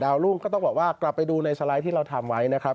รุ่งก็ต้องบอกว่ากลับไปดูในสไลด์ที่เราทำไว้นะครับ